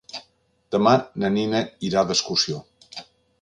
Demà na Nina irà d'excursió.